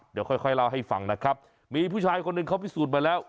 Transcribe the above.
เดี๋ยวค่อยค่อยเล่าให้ฟังนะครับมีผู้ชายคนหนึ่งเขาพิสูจน์มาแล้ว